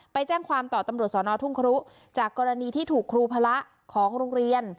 ไปแจ้งความต่อตำรวจสอนอทุ่งครุจากกรณีที่ถูกครูพระของโรงเรียน